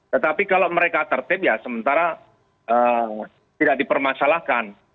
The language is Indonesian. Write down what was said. tetapi kalau mereka tertip ya sementara tidak dipermasalahkan